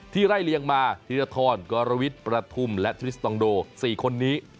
ไล่เลียงมาธีรทรกรวิทย์ประทุมและทริสตองโด๔คนนี้